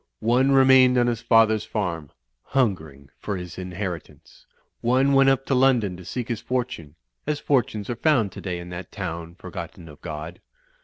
One remained on his father's farm, hungering for his inheritance. One went up to London to seek his fortime, as fortunes are found today in that town forgotten of Grod.